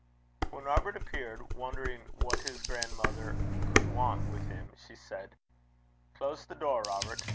When Robert appeared, wondering what his grandmother could want with him, she said: 'Close the door, Robert.